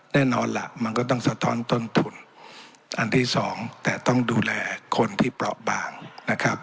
แน่นอนล่ะมันก็ต้องสะท้อนต้นทุนอันที่สองแต่ต้องดูแลคนที่เปราะบางนะครับ